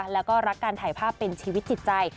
แล้วก็รักการถ่ายภาพเป็นชีวิตจิตใจ